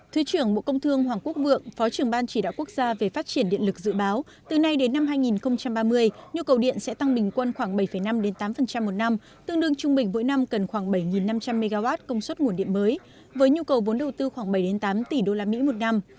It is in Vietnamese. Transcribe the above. thứ trưởng bộ công thương hoàng quốc vượng phó trưởng ban chỉ đạo quốc gia về phát triển điện lực dự báo từ nay đến năm hai nghìn ba mươi nhu cầu điện sẽ tăng bình quân khoảng bảy năm tám một năm tương đương trung bình mỗi năm cần khoảng bảy năm trăm linh mw công suất nguồn điện mới với nhu cầu vốn đầu tư khoảng bảy tám tỷ usd một năm